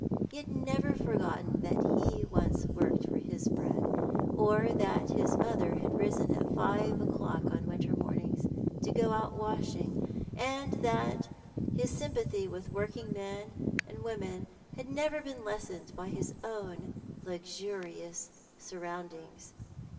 He had never forgotten that he had once worked for his bread, or that his mother had risen at five o'clock on winter mornings to go out washing ; and his sympathy with working men and women had never been lessened by his own luxurious surroundings.